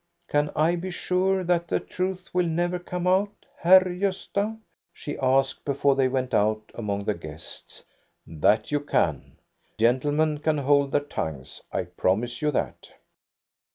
" Can I be sure that the truth will never come out THE BALL AT EKEBY 91 //!wr Gosta?" she asked, before they went out among the guests. " That you can. Gentlemen can hold their tongues. I promise you that."